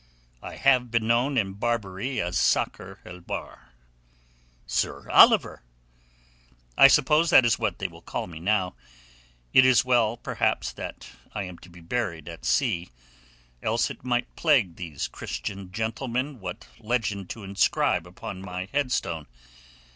"I have been known in Barbary as Sakr el Bahr." "Sir Oliver!" "I suppose that is what they will call me now. It is as well perhaps that I am to be buried at sea, else it might plague these Christian gentlemen what legend to inscribe upon my headstone.